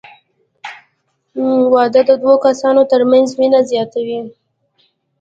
• واده د دوه کسانو تر منځ مینه زیاتوي.